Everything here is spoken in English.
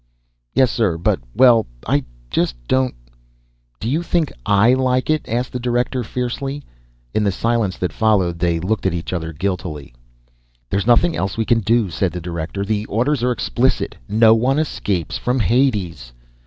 _" "Yes, sir, but well ... I just don't " "Do you think I like it?" asked the Director, fiercely. In the silence that followed, they looked at each other, guiltily. "There's nothing else we can do," said the Director. "The orders are explicit. _No one escapes from Hades!